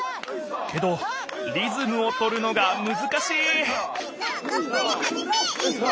けどリズムをとるのがむずかしいがんばれハジメ！